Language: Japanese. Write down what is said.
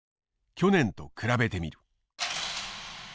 去年と比べてみる。